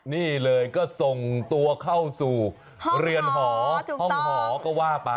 นี่เลยก็ส่งตัวเข้าสู่ห่องห่อก็ว่าไป